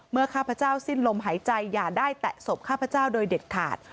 ข้าพเจ้าสิ้นลมหายใจอย่าได้แตะศพข้าพเจ้าโดยเด็ดขาด